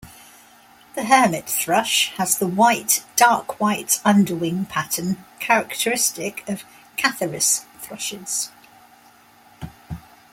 The hermit thrush has the white-dark-white underwing pattern characteristic of "Catharus" thrushes.